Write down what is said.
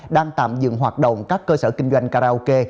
đang tạm dừng hoạt động các cơ sở kinh doanh karaoke